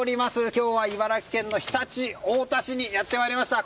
今日は茨城県の常陸太田市にやってきました。